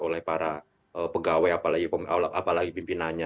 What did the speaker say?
oleh para pegawai apalagi pimpinannya